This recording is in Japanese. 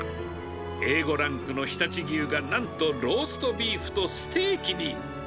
Ａ５ランクの常陸牛がなんとローストビーフとステーキに。